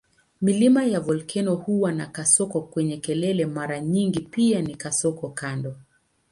Milima ya volkeno huwa na kasoko kwenye kelele mara nyingi pia na kasoko kando.